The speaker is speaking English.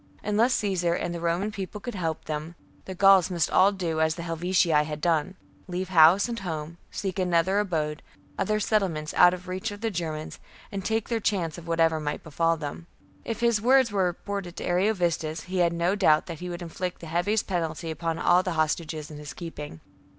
Unless Caesar and the Roman People could help them, the Gauls must all do as the Helvetii had done, — leave house and home, seek another abode, other settlements out of reach of the Germans, and take their chance of whatever might befall them. If his words were reported to Ariovistus, he had no doubt that he would inflict the heaviest penalty upon all the hostages in his keeping.